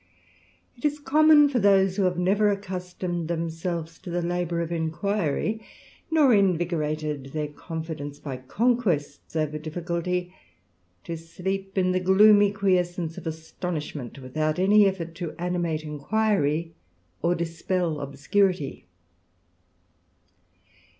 It is common for those who have never accustomed themselves to the labour of inquiry, nor invigorated their confidence by conquests over difficulty, to sleep in the gloomy quiescence of astonishment, without any effort to animate inquiry, or dispel obscurity.